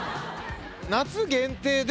夏限定で。